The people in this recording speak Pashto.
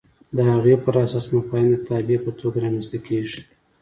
د هغې پر اساس مفاهیم د تابع په توګه رامنځته کېږي.